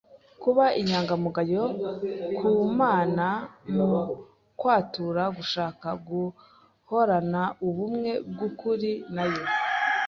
kuba inyangamugayo ku Mana mu kwatura gushaka guhorana ubumwe bw'ukuri na Yo